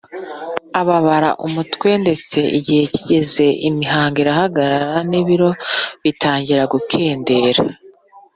ababara umutwe ndetse igihe kigeze imihango irahagarara n’ibilo bitangira gukendera